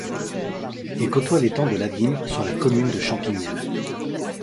Il cotoîe l'étang de l'Abîme sur la commune de Champignelles.